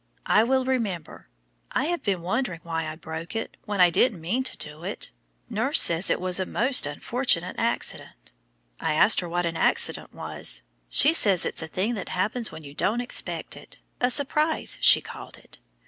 I will remember. I have been wondering why I broke it, when I didn't mean to do it. Nurse says it was a most 'unfortunate accident.' I asked her what an accident was. She says it's a thing that happens when you don't expect it a surprise, she called it.